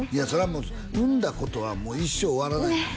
もう産んだことはもう一生終わらないのよね